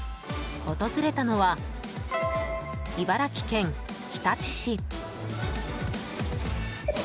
訪れたのは茨城県日立市。